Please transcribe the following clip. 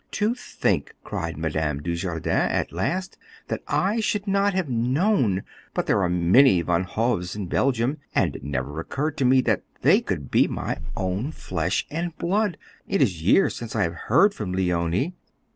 "To think," cried Madame Dujardin at last, "that I should not have known! But there are many Van Hoves in Belgium, and it never occurred to me that they could be my own flesh and blood. It is years since I have heard from Leonie.